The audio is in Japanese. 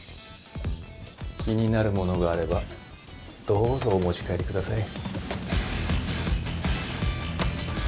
気になるものがあればどうぞお持ち帰りください。